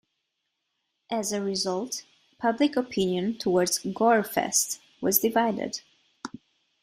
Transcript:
As a result, public opinion towards Gorefest was divided.